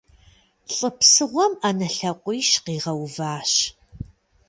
ЛӀы псыгъуэм Ӏэнэ лъакъуищ къигъэуващ.